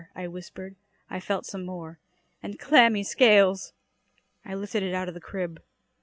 I whispered. I felt some more. "And clammy scales!" I lifted it out of the crib.